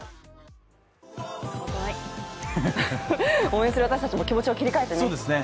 応援する私たちも気持ちを切り替えてね。